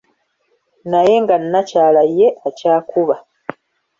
Naye nga nnakyala ye akyakuba